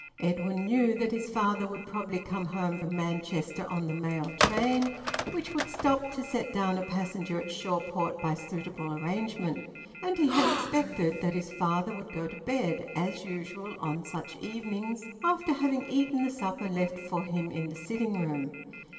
Edwin knew that his father would probably come home from Manchester on the mail train, which would stop to set down a passenger at Shawport by suitable arrangement. And he had expected that his father would go to bed, as usual on such evenings, after having eaten the supper left for him in the sitting room.